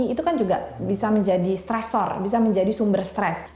itu kan juga bisa menjadi stressor bisa menjadi sumber stres